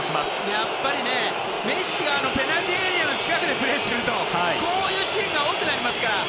やっぱり、メッシがペナルティーエリアの近くでプレーすると、こういうシーンが多くなりますから。